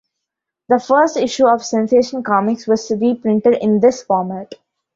The first issue of "Sensation Comics" was reprinted in this format.